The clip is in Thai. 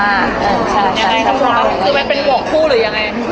ยังไงครับคุณครับคือมันเป็นห่วงคู่หรือยังไง